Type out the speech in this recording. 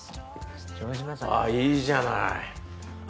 あいいじゃない。